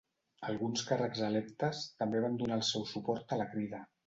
Alguns càrrecs electes també van donar el seu suport a la crida.